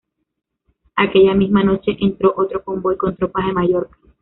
Aquella misma noche entró otro convoy con tropas de Mallorca.